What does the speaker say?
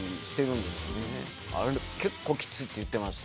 あれ結構キツいって言ってました。